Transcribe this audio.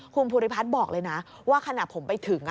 คุณภูริพัฒน์บอกเลยนะว่าขณะผมไปถึง